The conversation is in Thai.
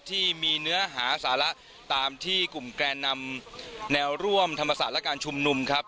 ที่มีเนื้อหาสาระตามที่กลุ่มแกนนำแนวร่วมธรรมศาสตร์และการชุมนุมครับ